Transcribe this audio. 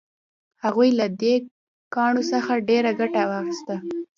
هغوی له دې کاڼو څخه ډیره ګټه واخیسته.